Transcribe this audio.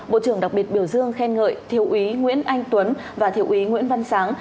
bộ trưởng đặc biệt biểu dương khen ngợi thiêu úy nguyễn anh tuấn và thiếu úy nguyễn văn sáng